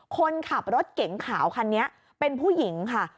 คนขับรถเก๋งขาวคันนี้เป็นผู้หญิงค่ะ